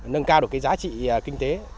nâng cao được giá trị kinh tế